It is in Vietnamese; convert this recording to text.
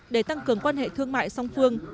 để tăng cường quan hệ thương mại song phương